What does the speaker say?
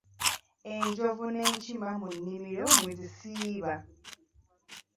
Enjovu n’enkima mu nnimiro mwe zisiiba.